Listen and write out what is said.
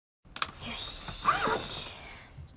よし。